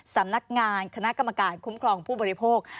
สำนักงานคณะกรรมการคุ้มครองผู้บริโภค